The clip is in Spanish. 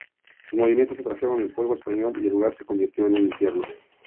Sus movimientos atrajeron el fuego español y el lugar se convirtió en un infierno.